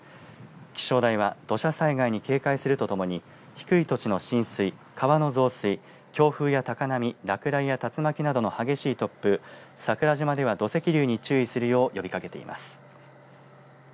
気象台は土砂災害に警戒するとともに低い土地の浸水、川の増水、強風や高波、落雷や竜巻などの激しい突風、桜島では土石流に注意するよう呼びかけています。